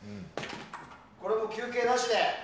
これも休憩なしで？